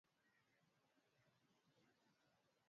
Maradon alimfunga kipa wa Uingrereza kwa kufunga